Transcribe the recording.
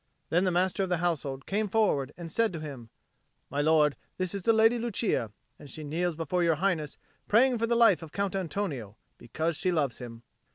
Then the Master of the Household came forward and said to him, "My lord, this is the Lady Lucia, and she kneels before your Highness praying for the life of Count Antonio, because she loves him."